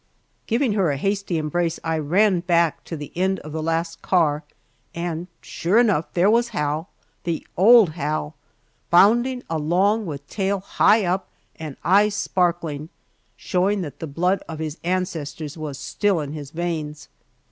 Giving her a hasty embrace, I ran back to the end of the last car, and sure enough, there was Hal, the old Hal, bounding along with tail high up and eyes sparkling, showing that the blood of his ancestors was still in his veins.